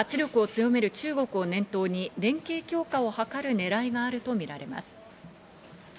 圧力を強める中国を念頭に、連携強化を図るねらいがあるとみられます。